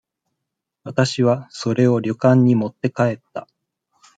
私は、それを旅館に持って帰った。